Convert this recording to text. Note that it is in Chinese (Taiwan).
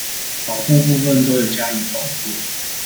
保護部分都有加以保護